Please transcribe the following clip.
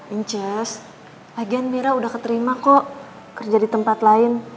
inchez agian mira udah keterima kok kerja di tempat lain